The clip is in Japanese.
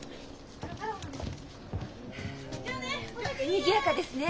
にぎやかですね。